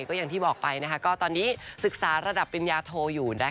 ก็อย่างที่บอกไปก็ตอนนี้ศึกษาระดับปริญญาโทอยู่